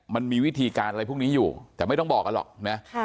มันมีวิธีการอะไรพวกนี้อยู่แต่ไม่ต้องบอกกันหรอกนะ